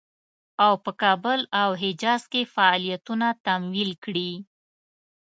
او په کابل او حجاز کې فعالیتونه تمویل کړي.